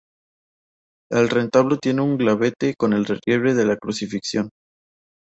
El retablo tiene un gablete con el relieve de la crucifixión.